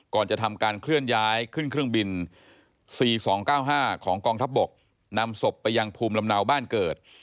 ก่อนจะทำการเคลื่อนย้ายขึ้นเครื่องบิน๔๒๙๕ของกองทัพบกนำศพไปยังภูมิลำเนาบ้านเกิด